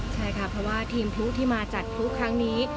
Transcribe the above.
ใช่ค่ะเพราะว่าทีมพลุที่มาจัดพลุครั้งนี้